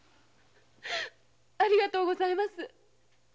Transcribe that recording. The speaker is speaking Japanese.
ありがとうございます。